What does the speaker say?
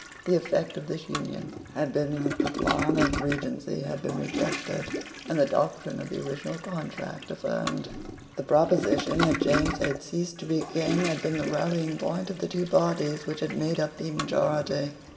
The effect of this union had been that the plan of Regency had been rejected, and the doctrine of the original contract affirmed. The proposition that James had ceased to be King had been the rallying point of the two parties which had made up the majority.